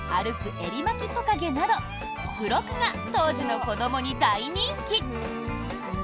エリマキトカゲなど付録が当時の子どもに大人気。